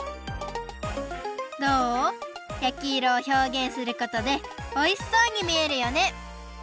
どう？やきいろをひょうげんすることでおいしそうにみえるよね！